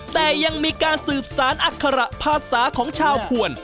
แต่ยังมีการสืบสารอัคระภาษาของชาวผวน